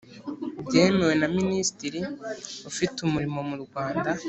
byemewe na minisitiri ufite umurimo mu rwanda